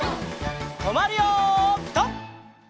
とまるよピタ！